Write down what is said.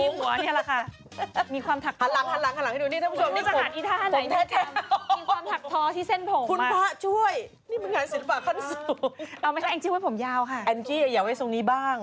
เอาไหมคะแองจี้ไว้ผมยาวค่ะแองจี้อย่าไว้ทรงนี้บ้าง